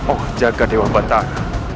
oh jaga dewa batara